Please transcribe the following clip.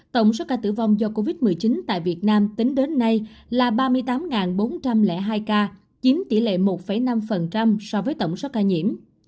tổng số ca tử vong do covid một mươi chín tại việt nam tính đến nay là ba mươi tám bốn trăm linh hai ca chiếm tỷ lệ một năm so với tổng số ca nhiễm